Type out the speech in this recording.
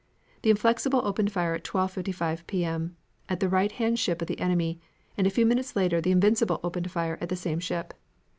The Inflexible opened fire at 12.55 P. M. at the right hand ship of the enemy, and a few minutes later the Invincible opened fire at the same ship.